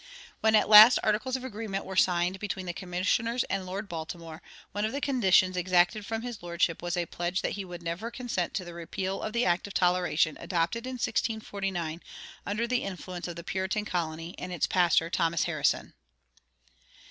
When at last articles of agreement were signed between the commissioners and Lord Baltimore, one of the conditions exacted from his lordship was a pledge that he would never consent to the repeal of the Act of Toleration adopted in 1649 under the influence of the Puritan colony and its pastor, Thomas Harrison.